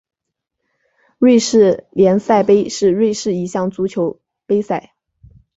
瑞士联赛杯是瑞士一项足球杯赛。